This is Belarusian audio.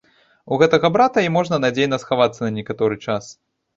У гэтага брата і можна надзейна схавацца на некаторы час.